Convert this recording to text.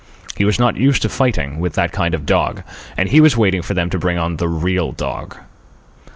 He was not used to fighting with that kind of dog, and he was waiting for them to bring on the real dog.